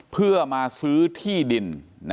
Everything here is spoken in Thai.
เพื่อมาซื้อที่ดิน